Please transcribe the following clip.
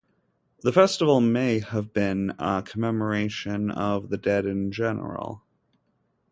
The festival may have been a commemoration of the dead in general.